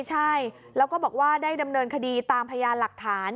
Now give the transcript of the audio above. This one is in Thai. ใช่แล้วก็บอกว่าได้ดำเนินคดีตามพยานหลักฐาน